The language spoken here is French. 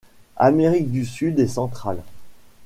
Amérique du Sud et centrale.